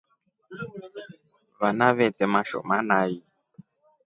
Vana vete mashoma nai.